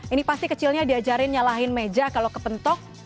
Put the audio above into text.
ini pasti kecilnya diajarin nyalahin meja kalau kepentok